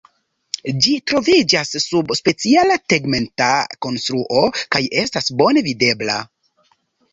Ĝi troviĝas sub speciala tegmenta konstruo kaj estas bone videbla.